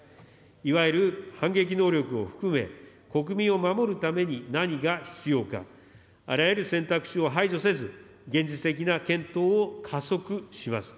いわゆる反撃能力を含め、国民を守るために何が必要か、あらゆる選択肢を排除せず、現実的な検討を加速します。